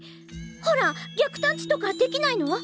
ほら逆探知とかできないの？